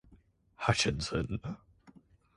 Hutchinson.